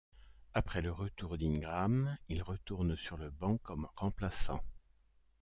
Après le retour d'Ingram, il retourne sur le banc comme remplaçant.